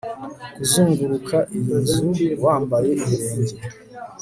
kuzunguruka iyi nzu wambaye ibirenge